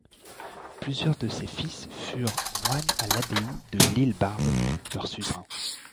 Plusieurs de ses fils furent moines à l'abbaye de l'Ile Barbe, leurs suzerains.